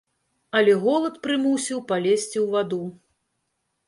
Але голад прымусіў палезці ў ваду.